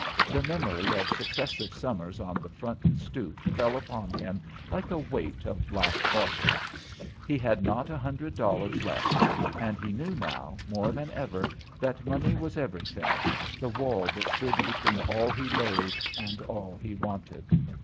The memory of successive summers on the front stoop fell upon him like a weight of black water. He had not a hundred dollars left; and he knew now, more than ever, that money was everything, the wall that stood between all he loathed and all he wanted.